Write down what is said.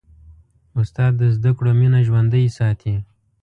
استاد د زدهکړو مینه ژوندۍ ساتي.